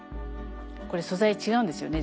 これ素材違うんですよね